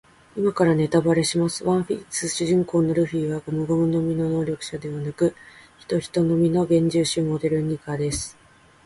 今からネタバレします。ワンピース主人公のルフィはゴムゴムの実の能力者ではなく、ヒトヒトの実幻獣種モデルニカです。